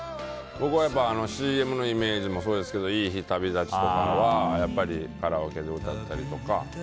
僕はＣＭのイメージもそうですけど「いい日旅立ち」とかはやっぱりカラオケで歌ったりとか。